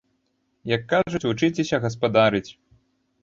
Як кажуць, вучыцеся гаспадарыць!